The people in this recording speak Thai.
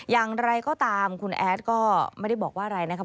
อย่างไรก็ตามคุณแอดก็ไม่ได้บอกว่าอะไรนะครับ